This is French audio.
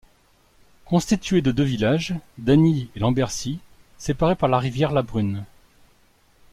Constituée de deux villages, Dagny et Lambercy, séparés par la rivière la Brune.